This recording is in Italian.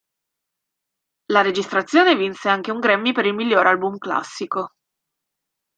La registrazione vinse anche un Grammy per il Miglior Album Classico.